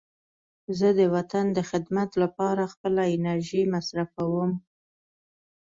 زه د وطن د خدمت لپاره خپله انرژي مصرفوم.